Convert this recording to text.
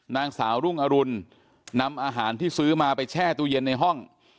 นางสาวรุ่งอรุณนำอาหารที่ซื้อมาไปแช่ตู้เย็นในห้อง